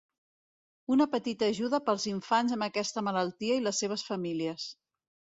Una petita ajuda pels infants amb aquesta malaltia i les seves famílies.